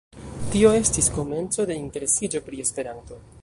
Tio estis komenco de interesiĝo pri Esperanto.